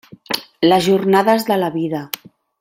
Les jornades de la vida.